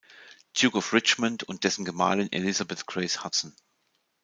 Duke of Richmond, und dessen Gemahlin Elizabeth Grace Hudson.